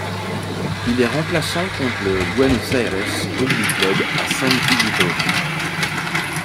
Il est remplaçant contre le Buenos Aires Rugby Club à San Isidro.